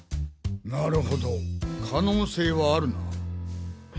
なるほど可能性はあるな。